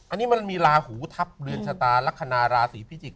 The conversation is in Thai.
อันนี้มันมีลาหูทัพเรือนชะตาลักษณะราศีพิจิกษ